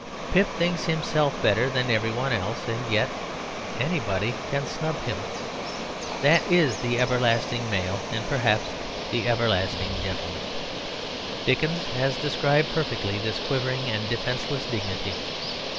Pip thinks himself better than every one else, and yet anybody can snub him; that is the everlasting male, and perhaps the everlasting gentleman. Dickens has described perfectly this quivering and defenceless dignity.